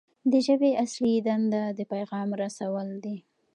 د ژبې اصلي دنده د پیغام رسول دي.